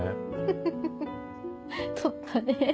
フフフ取ったね。